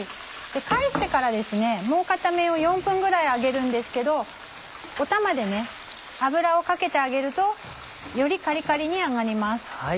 返してからもう片面を４分ぐらい揚げるんですけどおたまで油をかけてあげるとよりカリカリに揚がります。